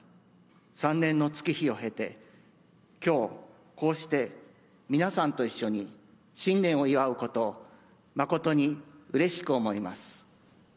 ３年の月日を経て、きょう、こうして皆さんと一緒に新年を祝うことを、誠にうれしく思います。